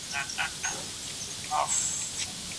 ګټه به ستا د دوامداره هڅو او فعالیتونو نتیجه وي.